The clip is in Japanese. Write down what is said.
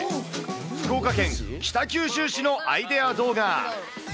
福岡県北九州市のアイデア動画。